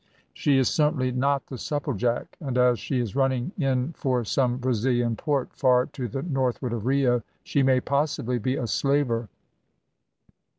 "She is certainly not the Supplejack, and, as she is running in for some Brazilian port far to the northward of Rio, she may possibly be a slaver."